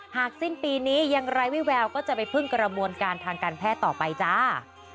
สิ้นปีนี้ยังไร้วิแววก็จะไปพึ่งกระบวนการทางการแพทย์ต่อไปจ้า